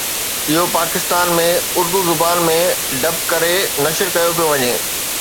اهو پاڪستان ۾ اردو زبان ۾ ڊب ڪري نشر ڪيو پيو وڃي